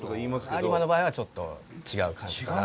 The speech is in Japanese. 有馬の場合はちょっと違う感じです。